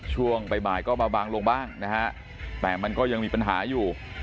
ช่วงบ่ายก็มาบางลงบ้างนะฮะแต่มันก็ยังมีปัญหาอยู่